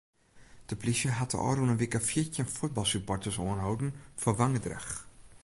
De plysje hat de ôfrûne wike fjirtjin fuotbalsupporters oanholden foar wangedrach.